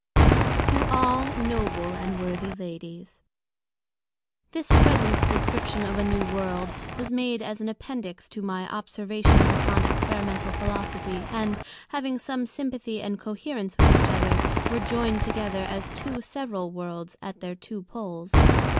To all Noble and Worthy Ladies. This present Description of a New World, was made as an Appendix to my Observations upon Experimental Philosophy; and, having some Sympathy and Coherence with each other, were joyned together as Two several Worlds, at their Two Poles.